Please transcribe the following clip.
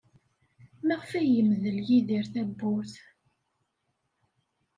Maɣef ay yemdel Yidir tawwurt?